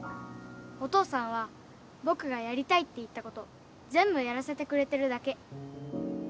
お父さんは僕がやりたいって言ったこと全部やらせてくれてるだけ。